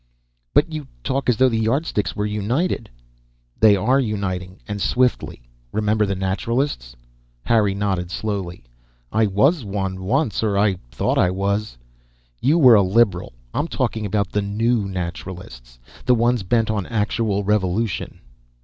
"But you talk as though the Yardsticks were united." "They are uniting, and swiftly. Remember the Naturalists?" Harry nodded, slowly. "I was one, once. Or thought I was." "You were a liberal. I'm talking about the new Naturalists. The ones bent on actual revolution."